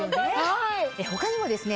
他にもですね